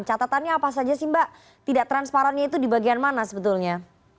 catatannya apa saja sih mbak tidak transparannya itu di bagian mana sebetulnya